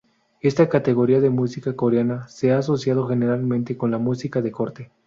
Esta categoría de música coreana se ha asociado generalmente con la música de corte.